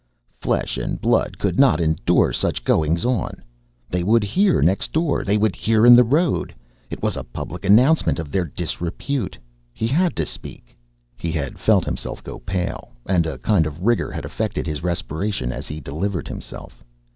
Flesh and blood could not endure such goings on. They would hear next door, they would hear in the road, it was a public announcement of their disrepute. He had to speak. He had felt himself go pale, and a kind of rigour had affected his respiration as he delivered himself.